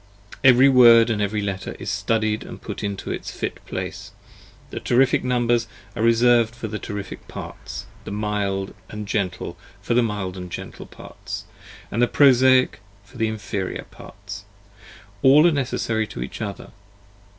Every word and every letter is studied and put into its fit place; the terrific numbers are reserved for the terrific parts, the mild & 40 gentle, for the mild & gentle parts, and the prosaic, for inferior parts,' all are necessary to each other.